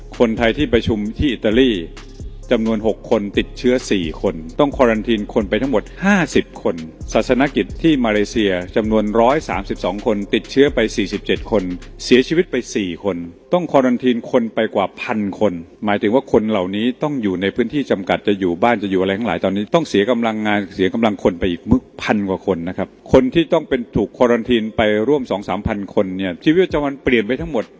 คนที่ต้องเป็นถูกควารอนทีนไปร่วม๒๓พันคนชีวิตประจำมันเปลี่ยนไปทั้งหมด